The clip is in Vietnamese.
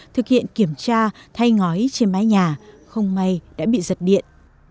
thực hiện kiểm tra thay ngói trên mái nhà không may đã bị giật điện